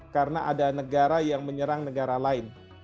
karena ada negara yang menyerang negara lain